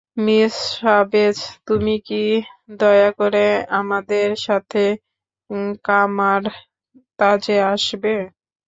Miss Chavez, তুমি কি দয়া করে আমাদের সাথে কামার-তাজে আসবে?